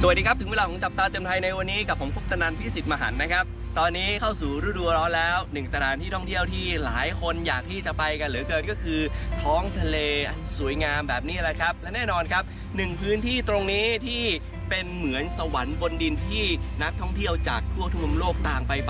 สวัสดีครับถึงเวลาของจับตาเตือนภัยในวันนี้กับผมคุปตนันพี่สิทธิ์มหันนะครับตอนนี้เข้าสู่ฤดูร้อนแล้วหนึ่งสถานที่ท่องเที่ยวที่หลายคนอยากที่จะไปกันเหลือเกินก็คือท้องทะเลสวยงามแบบนี้แหละครับและแน่นอนครับหนึ่งพื้นที่ตรงนี้ที่เป็นเหมือนสวรรค์บนดินที่นักท่องเที่ยวจากทั่วทุกมุมโลกต่างไปป